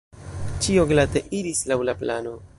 Ĉio glate iris laŭ la plano….